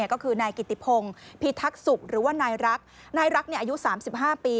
ก็คือนายกิติพงศ์พิทักษุกหรือว่านายรักนายรักอายุ๓๕ปี